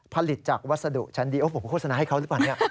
ผลิตจากวัสดุชั้นเดียวผมโฆษณาให้เขาหรือเปล่าเนี่ย